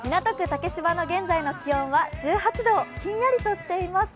竹芝の現在の気温は１８度、ひんやりとしています。